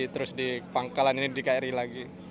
terus di pangkalan ini di kri lagi